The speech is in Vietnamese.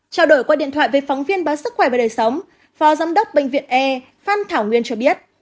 trao đổi qua điện thoại với phóng viên báo sức khỏe và đời sống phó giám đốc bệnh viện e phan thảo nguyên cho biết